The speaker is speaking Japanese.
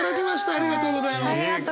ありがとうございます。